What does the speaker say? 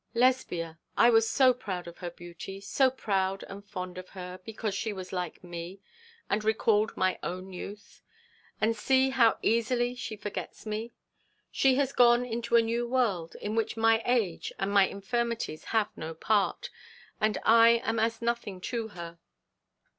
Lesbia! I was so proud of her beauty, so proud and fond of her, because she was like me, and recalled my own youth. And see how easily she forgets me. She has gone into a new world, in which my age and my infirmities have no part; and I am as nothing to her.'